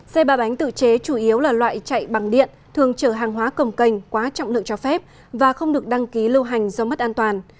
xe ba bánh tự chế chủ yếu là loại chạy bằng điện thường chở hàng hóa cồng cành quá trọng lượng cho phép và không được đăng ký lưu hành do mất an toàn